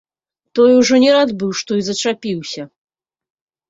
Той ужо не рад быў, што і зачапіўся.